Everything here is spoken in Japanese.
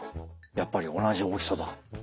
やっぱり同じ大きさだ。